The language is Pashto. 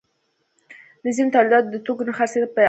د ځینو تولیدونکو د توکو نه خرڅېدل بې علته نه دي